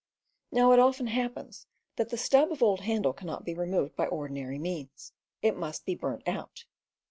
Now it often happens . TT , that the stub of old handle cannot be Ax6 Hclvcs removed by ordinary means: it must be burnt out.